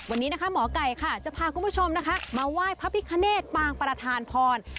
วันนี้นะคะหมอไก่ค่ะจะพาคุณผู้ชมนะคะมาไหว้พระพิคเนตปางประธานพร